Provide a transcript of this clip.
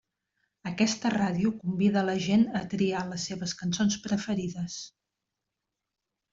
Aquesta ràdio convida la gent a triar les seves cançons preferides.